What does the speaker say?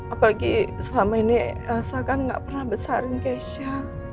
apalagi selama ini elsa kan nggak pernah besarin keisha